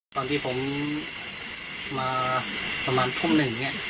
พอตอนที่ผมมาประมาณพรุ่งหนึ่ง